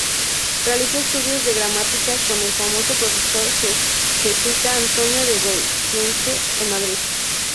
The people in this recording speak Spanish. Realizó estudios de Gramática con el famoso profesor jesuita Antonio de Goyeneche en Madrid.